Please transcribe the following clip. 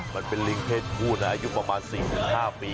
มันเป็นลิงเพศผู้นะอายุประมาณ๔๕ปี